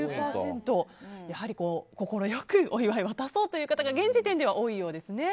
やはり心良くお祝いを渡そうという方が現時点では多いようですね。